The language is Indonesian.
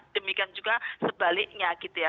demikian juga sebaliknya gitu ya